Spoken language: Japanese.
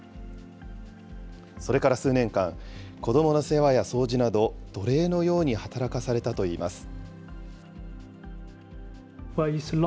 それから数年間、子どもの世話や掃除など、奴隷のように働かされたといいます。